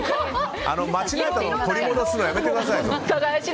間違えたのを取り戻すのはやめてください。